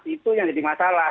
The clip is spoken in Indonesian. itu yang jadi masalah